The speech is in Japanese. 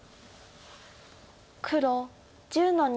黒１０の二。